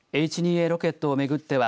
Ａロケットを巡っては